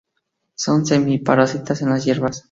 Son semi-parásitas en las hierbas.